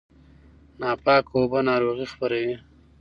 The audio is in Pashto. ناپاکه اوبه ناروغي خپروي.